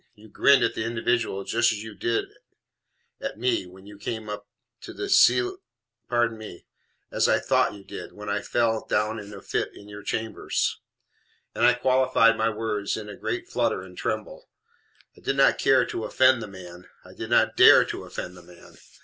You grinned at the individual just as you did at me when you went up to the cei , pardon me, as I THOUGHT you did, when I fell down in a fit in your chambers"; and I qualified my words in a great flutter and tremble; I did not care to offend the man I did not DARE to offend the man.